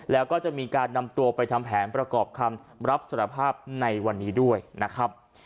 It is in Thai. แล้วก็จะมีการนำตัวไปทำแผนประกอบคำรับสารภาพในวันนี้ด้วยนะครับ